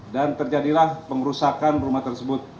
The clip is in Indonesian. dan terjadilah pengrusakan rumah tersebut